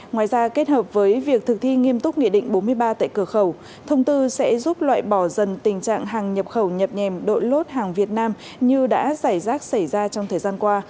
ngoài ra kết hợp với việc thực thi nghiêm túc nghị định bốn mươi ba tại cửa khẩu thông tư sẽ giúp loại bỏ dần tình trạng hàng nhập khẩu nhập nhèm đội lốt hàng việt nam như đã giải rác xảy ra trong thời gian qua